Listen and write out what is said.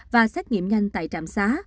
và xét nghiệm nhanh tại trạm xá